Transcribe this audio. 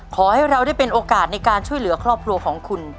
ขอให้เราได้เป็นโอกาสในการช่วยเหลือครอบครัวของคุณ